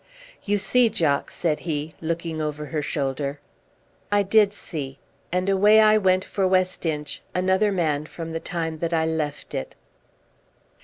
"You see, Jock!" said he, looking over her shoulder. I did see; and away I went for West Inch, another man from the time that I left it.